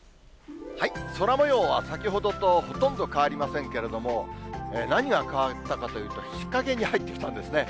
空もようは先ほどとほとんど変わりませんけれども、何が変わったかというと、日陰に入ってきたんですね。